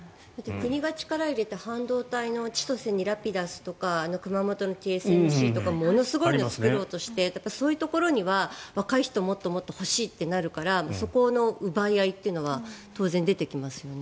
国が力を入れて半導体の千歳にラピダスとか熊本のＴＳＭＣとかものすごいのを作ろうとしていてそういうところには若い人もっと欲しいとなるからそこの奪い合いっていうのは当然出てきますよね。